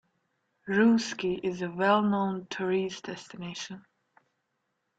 Roosky is a well known tourist destination.